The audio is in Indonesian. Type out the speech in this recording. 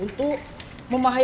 untuk memahirkan lagi